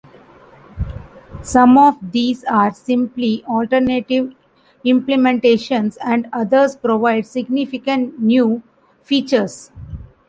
Some of these are simply alternative implementations, and others provide significant new features.